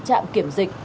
trạm kiểm dịch